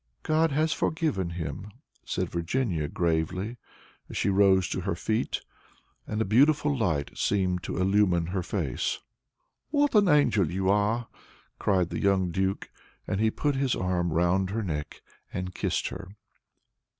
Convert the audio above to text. "God has forgiven him," said Virginia, gravely, as she rose to her feet, and a beautiful light seemed to illumine her face. "What an angel you are!" cried the young Duke, and he put his arm round her neck, and kissed her.